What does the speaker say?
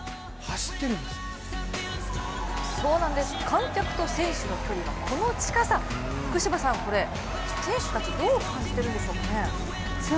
観客と選手の距離がこの近さ、これ選手たちどう感じているんでしょうね？